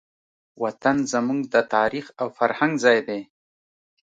وطن زموږ د تاریخ او فرهنګ ځای دی.